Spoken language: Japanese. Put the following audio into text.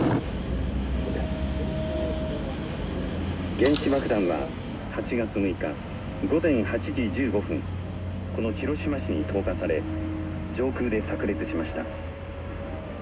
「原子爆弾は８月６日午前８時１５分この広島市に投下され上空でさく裂しました」。